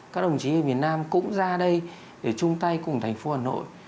các đồng chí ở miền nam cũng ra đây để chung tay cùng thành phố hà nội